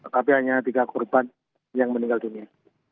tapi hanya tiga korban yang meninggal dunia